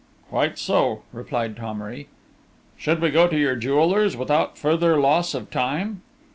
"Quite so," replied Thomery.... "Should we go to your jeweller's, without further loss of time?"